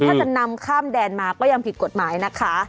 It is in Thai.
ถ้าจะนำข้ามแดนมาก็ยังผิดกฎหมายนะคะ